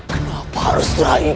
kenapa harus raih